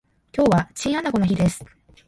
今日はチンアナゴの日です